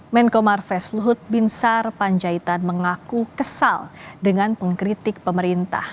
menkomar vesluhut binsar panjaitan mengaku kesal dengan pengkritik pemerintah